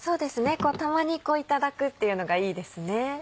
たまにいただくっていうのがいいですね。